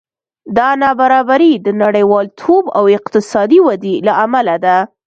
دا نابرابري د نړیوالتوب او اقتصادي ودې له امله ده